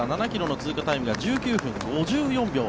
７ｋｍの通過タイムが１９分５４秒。